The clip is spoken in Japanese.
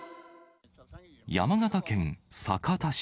山形県酒田市。